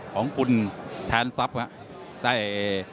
ของคุณแทนทรัพย์นะครับ